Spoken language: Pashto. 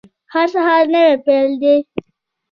هر سهار نوی پیل دی